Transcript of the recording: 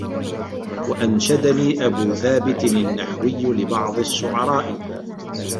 وَأَنْشَدَنِي أَبُو ثَابِتٍ النَّحْوِيُّ لِبَعْضِ الشُّعَرَاءِ